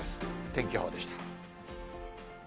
天気予報でした。